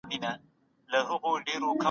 مولدي پانګي به د خلګو د ژوند سطحه لوړه کړي.